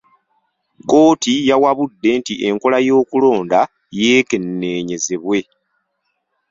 Kkooti yawabudde nti enkola y'okulonda yekenneenyezebwe.